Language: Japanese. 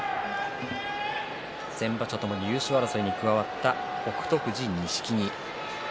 先場所ともに優勝争いに加わった北勝富士、錦木。